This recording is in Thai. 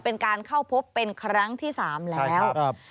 เป็นการเข้าพบเป็นครั้งที่๓แล้ว